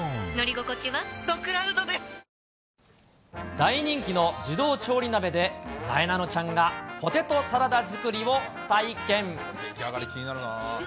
大人気の自動調理鍋で、なえなのちゃんがポテトサラダ作りを体験。